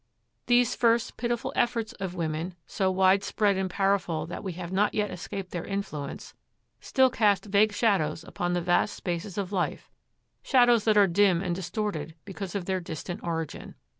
These first pitiful efforts of women, so wide spread and powerful that we have not yet escaped their influence, still cast vague shadows upon the vast spaces of life, shadows that are dim and distorted because of their distant origin.